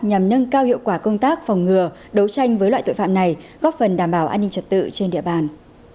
nhằm nâng cao hiệu quả công tác phòng ngừa đấu tranh với loại tội phạm này góp phần đảm bảo an ninh trật tự trên địa bàn